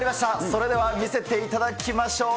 それでは見せていただきましょう。